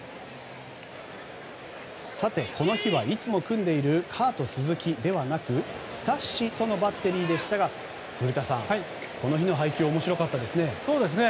この日はいつも組んでいるカート・スズキではなくスタッシとのバッテリーでしたが古田さんこの日の配球面白かったですね。